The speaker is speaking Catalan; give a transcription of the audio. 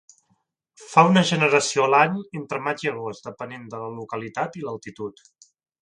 Fa una generació a l'any entre maig i agost, depenent de la localitat i l'altitud.